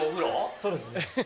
そうですね。